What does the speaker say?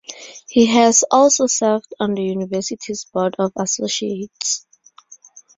He has also served on the university's Board of Associates.